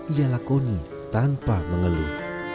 ia lakoni tanpa mengeluh